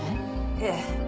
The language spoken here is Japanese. ええ。